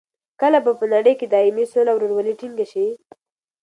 کله به په نړۍ کې دایمي سوله او رورولي ټینګه شي؟